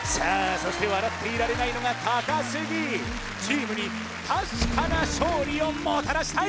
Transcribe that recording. そして笑っていられないのが高杉チームに確かな勝利をもたらしたい